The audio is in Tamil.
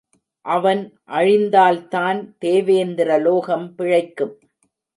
அவன் அழிந்தால்தான் தேவேந்திரலோகம் பிழைக்கும்.